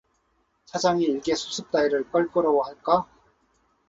차장이 일개 수습 따위를 껄끄러워할까?